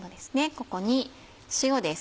ここに塩です。